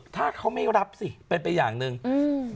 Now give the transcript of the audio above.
ถ้าเขาไม่รับสิเป็นไปอย่างหนึ่งอืม